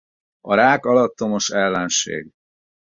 A rák alattomos ellenség.